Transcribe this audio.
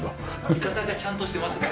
見方がちゃんとしてますね。